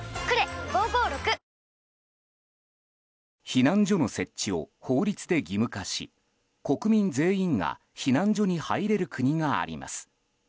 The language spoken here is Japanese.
避難所の設置を法律で義務化し国民全員が避難所に入れる国があります。